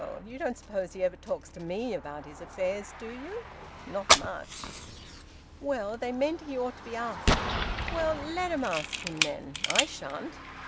You don't suppose he ever talks to me about his affairs, do you? Not much!" "Well they meant he ought to be asked." "Well, let 'em ask him, then. I shan't."